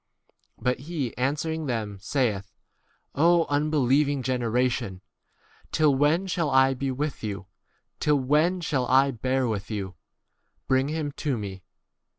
But he answering them saith, O unbeliev ing generation ! till when shall I be with you? till when shall I bear with you ? bring him to me.